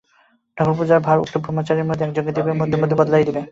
ঠাকুরপূজার ভার উক্ত ব্রহ্মচারীদের মধ্যে একজনকে দিবে এবং মধ্যে মধ্যে বদলাইয়া দিবে।